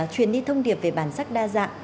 truyền đi thông điệp về bản sắc đa dạng